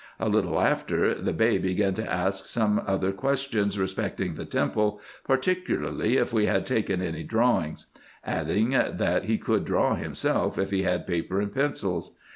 A little after, the Bey began to ask some other questions respecting the temple, particularly if we had taken any drawings ; adding, that he could draw liimself, if he had paper and pencils.